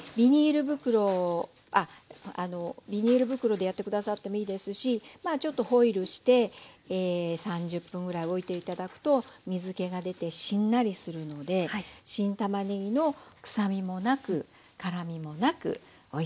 ビニール袋でやって下さってもいいですしちょっとホイルして３０分ぐらいおいて頂くと水けが出てしんなりするので新たまねぎの臭みもなく辛みもなくおいしい状態になります。